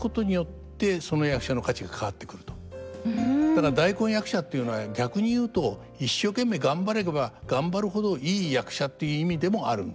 だから大根役者っていうのは逆に言うと一生懸命頑張れば頑張るほどいい役者っていう意味でもあるんだよと。